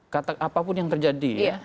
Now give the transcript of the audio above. kata apapun yang terjadi